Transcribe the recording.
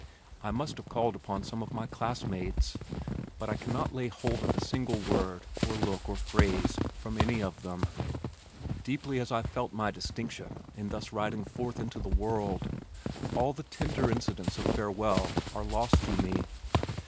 I must have called upon some of my classmates, but I cannot lay hold upon a single word or look or phrase from any of them. Deeply as I felt my distinction in thus riding forth into the world, all the tender incidents of farewell are lost to me.